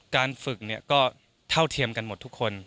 การฝึกก็เท่าเทียมกันหมดทุกคน